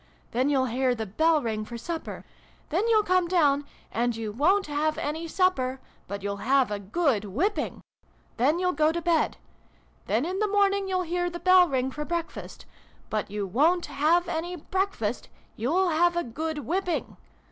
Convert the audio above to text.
Then you'll hear the bell ring for supper. Then you'll come down : and you wont have any supper : but you'll have a good whipping ! Then you'll go to bed. Then in the morning you'll hear the bell ring for breakfast. But you wont have any breakfast ! You'll have a good whipping